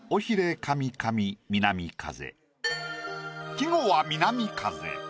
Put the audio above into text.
季語は「南風」。